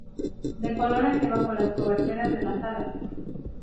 De color ante bajo las coberteras de las alas.